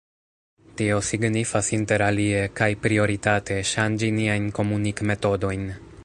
Tio signifas interalie, kaj prioritate, ŝanĝi niajn komunik-metodojn.